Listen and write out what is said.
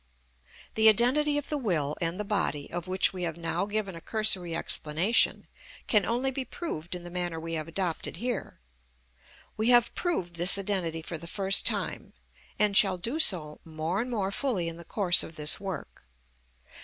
The identity of the will and the body, of which we have now given a cursory explanation, can only be proved in the manner we have adopted here. We have proved this identity for the first time, and shall do so more and more fully in the course of this work.